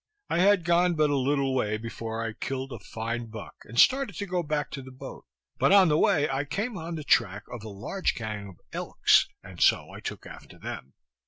I had gone but a little way before I killed a fine buck, and started to go back to the boat; but on the way I came on the tracks of a large gang of elks, and so I took after them.